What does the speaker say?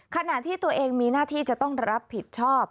ขณะที่ตัวเองมีหน้าที่จะต้องรับผิดชอบ